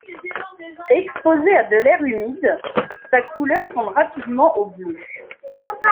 Exposé à de l'air humide, sa couleur tourne rapidement au bleu.